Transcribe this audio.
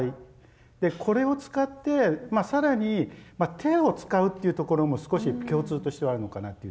でこれを使って更に手を使うっていうところも少し共通としてはあるのかなっていう。